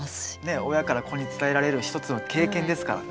親から子に伝えられる一つの経験ですからね。